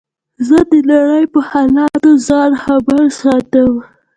زه د نړۍ په حالاتو ځان خبر ساتم.